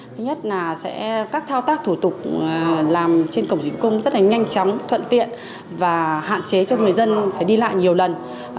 thứ nhất là sẽ các thao tác thủ tục làm trên cổng dịch vụ công rất là nhanh chóng thuận tiện và hạn chế cho người dân phải đi lại nhiều lần